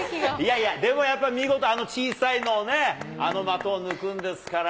でもやっぱ見事、あの小さいのをね、あの的を抜くんですから。